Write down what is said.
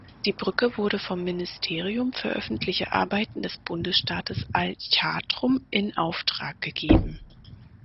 Die Brücke wurde vom Ministerium für öffentliche Arbeiten des Bundesstaates al-Chartum in Auftrag gegeben.